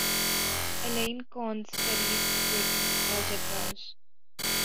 Alain Connes studies operator algebras.